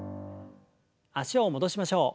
脚を戻しましょう。